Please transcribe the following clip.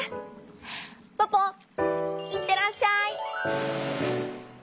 ポポいってらっしゃい！